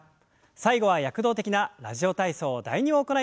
最後は躍動的な「ラジオ体操第２」を行います。